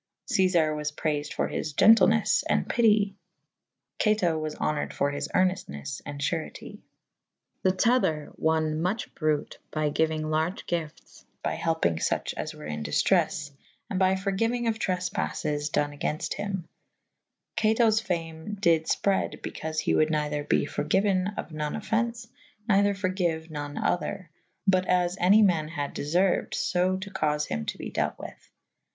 Cefar was prayfed for his gentilnes and pitie. Cato was [B vii b] honored for his erneftnes and furete. The tother wanne moche bruyt by gyuynge large gyftes/by helpynge fuche as were in dyftreffe, and by forgiuyng of trefpaffes done agaynfte hym. Catous famfe dyd f[p]rede be caufe he wold neither be forgyuen of none offence / neither forgiue non other / but as any man had deferued / fo to caufe him to be delt with.